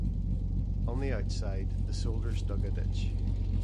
On the outside, the soldiers dug a ditch.